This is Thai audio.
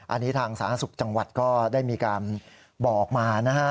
อันนี้ทางสาธารณสุขจังหวัดก็ได้มีการบอกมานะฮะ